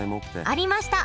ありました！